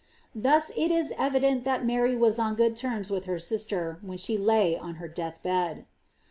Thus it is evident that Mary was on good terms with her sister, when she laid on her death bed.